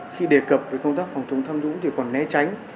khi đề cập về công tác phòng chống tham nhũng thì còn né tránh